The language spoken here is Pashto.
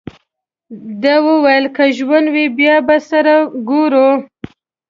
ده وویل: که ژوندي وو، بیا به سره ګورو.